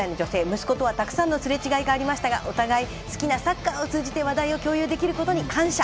息子とはたくさんのすれ違いがありましたがお互い好きなサッカーを通じて話題を共有できることに感謝。